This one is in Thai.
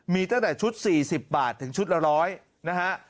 มีตั้งแต่ชุด๔๐บาทถึงชุดละ๑๐๐นะฮะ